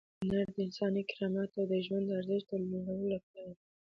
هنر د انساني کرامت او د ژوند د ارزښت د لوړولو لپاره دی.